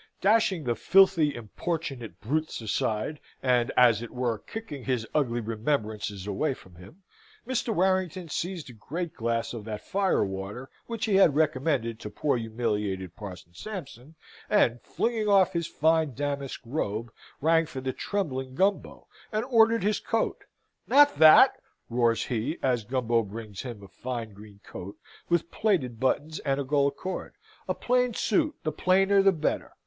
Dashing the filthy importunate brutes aside, and, as it were, kicking his ugly remembrances away from him, Mr. Warrington seized a great glass of that fire water which he had recommended to poor humiliated Parson Sampson, and, flinging off his fine damask robe, rang for the trembling Gumbo, and ordered his coat. "Not that!" roars he, as Gumbo brings him a fine green coat with plated buttons and a gold cord. "A plain suit the plainer the better!